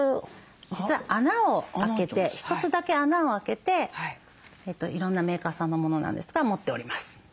実は穴を開けて１つだけ穴を開けていろんなメーカーさんのものなんですが持っております。